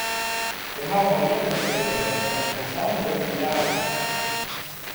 Der hawwe al earder útjeften west fan it folsleine wurk fan Japicx.